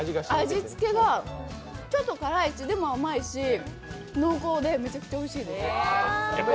味付けはちょっと辛いしでも甘いし濃厚で、めちゃくちゃおいしいです